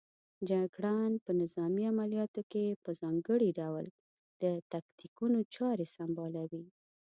جګړن په نظامي عملیاتو کې په ځانګړي ډول د تاکتیکونو چارې سنبالوي.